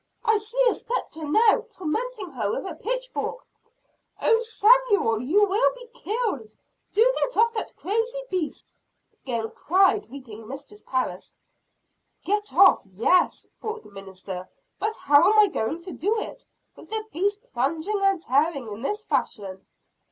"I see a spectre now, tormenting her with a pitchfork." "Oh, Samuel, you will be killed! do get off that crazy beast!" again cried weeping Mistress Parris. "'Get off!' yes!" thought the minister; "but how am I going to do it, with the beast plunging and tearing in this fashion?"